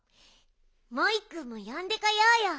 モイくんもよんでこようよ。